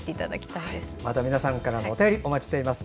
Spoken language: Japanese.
また皆さんからのお便りお待ちしています。